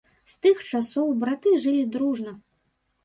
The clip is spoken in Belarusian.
З тых часоў браты жылі дружна.